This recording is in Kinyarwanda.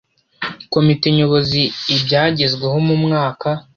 komite nyobozi ibyagezweho mu mwaka